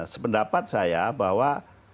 sependapat saya bahwa